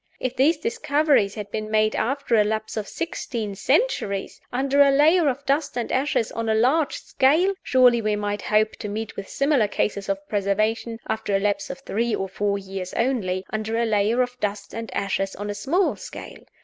If these discoveries had been made after a lapse of sixteen centuries, under a layer of dust and ashes on a large scale, surely we might hope to meet with similar cases of preservation, after a lapse of three or four years only, under a layer of dust and ashes on a small scale.